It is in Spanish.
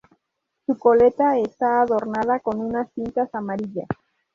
Su coleta está adornada con unas cintas amarillas.